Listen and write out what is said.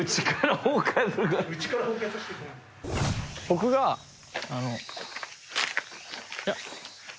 僕があの。